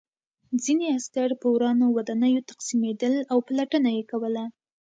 ځینې عسکر په ورانو ودانیو تقسیمېدل او پلټنه یې کوله